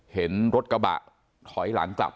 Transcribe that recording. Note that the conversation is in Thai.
เห็นรถกระบะถอยหลังกลับ